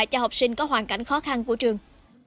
cho học sinh có hoàn cảnh khó khăn của trường